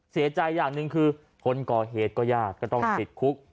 เสียใจอย่างหนึ่งคือคนก่อเหตุก็ญาติก็ต้องติดคุก